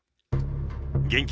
現金